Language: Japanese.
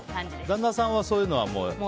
旦那さんはそういうのは嫌なんだ。